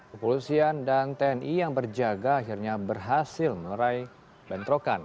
kepolisian dan tni yang berjaga akhirnya berhasil meraih bentrokan